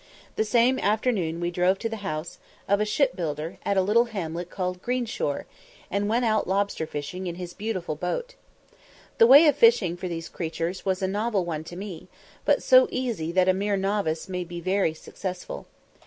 The same afternoon we drove to the house of a shipbuilder at a little hamlet called Greenshore, and went out lobster fishing in his beautiful boat. The way of fishing for these creatures was a novel one to me, but so easy that a mere novice may be very successful.